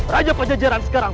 raja pajak jalan sekarang